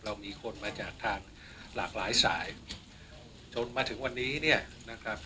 เรามีคนมาจากทางหลากหลายสายจนมาถึงวันนี้เนี่ยนะครับ